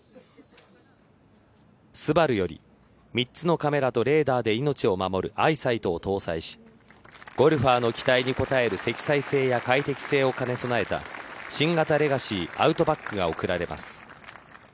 ＳＵＢＡＲＵより３つのカメラとレーダーで命を守るアイサイトを搭載しゴルファーの期待に応える積載性や快適性を兼ね備えた新型レガシィアウトバックが贈られます。